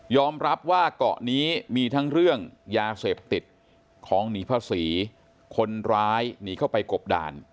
รับว่าเกาะนี้มีทั้งเรื่องยาเสพติดของหนีภาษีคนร้ายหนีเข้าไปกบด่าน